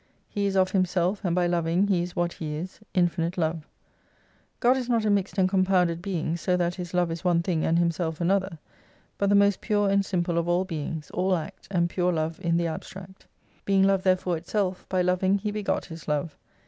He is of Himself, and by loving He is what He is, INFINITE LOVE. God is not a mixt and compounded Being, so that His Love is one thing and Himself another : but the most pure and simple of all Beings, all Act, and pure Love in the abstract. Being Love therefore itself, by loving He begot His Love.